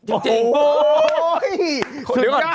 โอ้โฮ